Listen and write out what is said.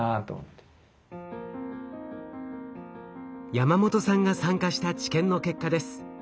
ヤマモトさんが参加した治験の結果です。